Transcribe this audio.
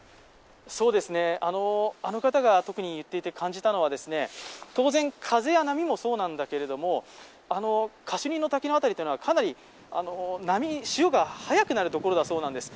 あの方が特に言っていて感じたのは当然、風は波もそうなんだけれどもカシュニの滝の辺りは潮が速くなるところなんだそうです。